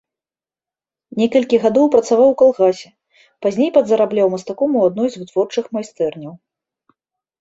Некалькі гадоў працаваў у калгасе, пазней падзарабляў мастаком у адной з вытворчых майстэрняў.